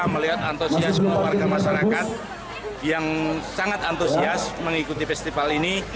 melihat antusiasme warga masyarakat yang sangat antusias mengikuti festival ini